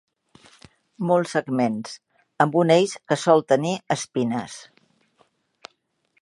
Molts segments, amb un eix que sol tenir espines.